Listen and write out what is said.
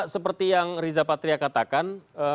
seperti yang riza patria katakan